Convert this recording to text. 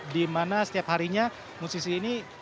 di mana setiap harinya musisi lokal akan berlalu